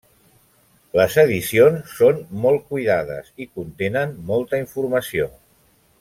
Les edicions són molt cuidades i contenen molta informació.